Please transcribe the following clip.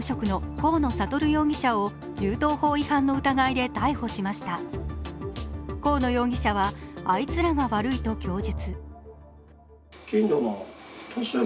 河野容疑者はあいつらが悪いと供述。